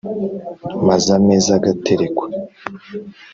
Maz'amez'agaterekwa